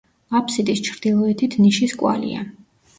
აბსიდის ჩრდილოეთით ნიშის კვალია.